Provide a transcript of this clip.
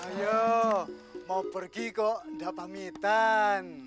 ayo mau pergi kok tidak pamitan